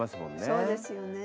そうですよね。